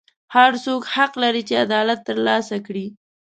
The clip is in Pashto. هر څوک حق لري چې عدالت ترلاسه کړي.